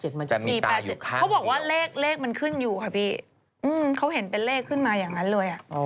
เขาบอกว่าเลขมันขึ้นอยู่ค่ะพี่เขาเห็นเป็นเลขขึ้นมาอย่างนั้นเลย